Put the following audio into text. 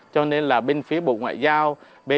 cho nên là bên phía bộ ngoại giao